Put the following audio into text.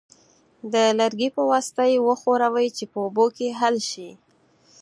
د لرګي په واسطه یې وښورئ چې په اوبو کې حل شي.